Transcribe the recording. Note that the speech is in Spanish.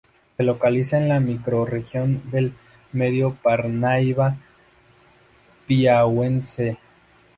Se localiza en la microrregión del Medio Parnaíba Piauiense.